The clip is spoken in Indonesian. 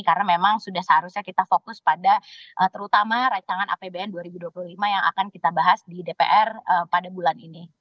karena memang sudah seharusnya kita fokus pada terutama rancangan apbn dua ribu dua puluh lima yang akan kita bahas di dpr pada bulan ini